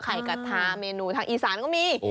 กระทะเมนูทางอีสานก็มี